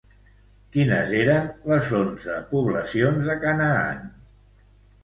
Quines eren les onze poblacions de Canaan?